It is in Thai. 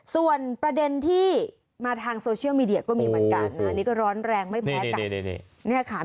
ส่วนประเด็นที่มาทางโซเชียลมีเดียก็มีเหมือนกันอันนี้ก็ร้อนแรงไม่แพ้กัน